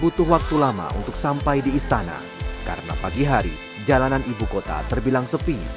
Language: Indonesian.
butuh waktu lama untuk sampai di istana karena pagi hari jalanan ibu kota terbilang sepi